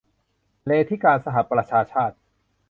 เลธิการสหประชาชาติ